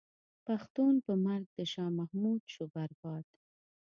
پښتون په مرګ د شاه محمود شو برباد.